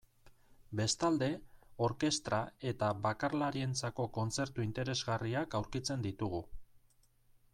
Bestalde, orkestra eta bakarlarientzako kontzertu interesgarriak aurkitzen ditugu.